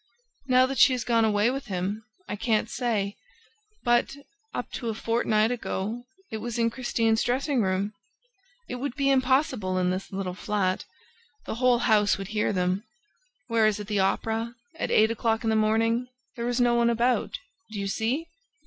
"Now that she has gone away with him, I can't say; but, up to a fortnight ago, it was in Christine's dressing room. It would be impossible in this little flat. The whole house would hear them. Whereas, at the Opera, at eight o'clock in the morning, there is no one about, do you see!"